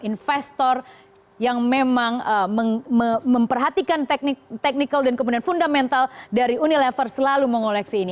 investor yang memang memperhatikan teknikal dan kemudian fundamental dari unilever selalu mengoleksi ini